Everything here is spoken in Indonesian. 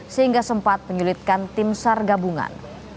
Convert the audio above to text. sehingga sempat menyulitkan tim sar gabungan